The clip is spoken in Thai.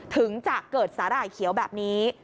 ถึงจะเกิดสาหร่ายเขียวแบบนี้